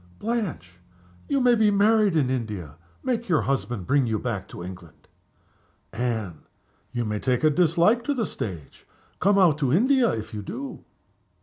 "Blanche! you may be married in India. Make your husband bring you back to England." "Anne! you may take a dislike to the stage. Come out to India if you do."